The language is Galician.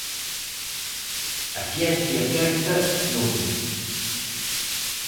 A ciencia certa, non.